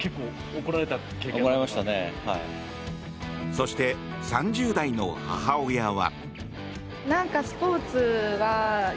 そして、３０代の母親は。